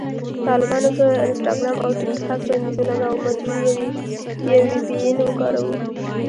طالبانو په انسټاګرام او ټیکټاک بندیز ولګاوو، مجبور یو وي پي این وکاروو